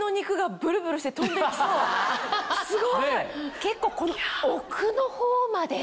すごい！